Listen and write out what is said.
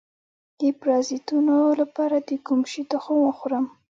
د پرازیتونو لپاره د کوم شي تخم وخورم؟